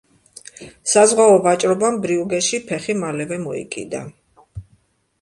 საზღვაო ვაჭრობამ ბრიუგეში ფეხი მალევე მოიკიდა.